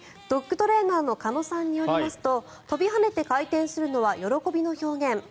ドッグトレーナーの鹿野さんによりますと跳びはねて回転するのは喜びの表現。